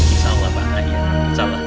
insya allah pak haji insya allah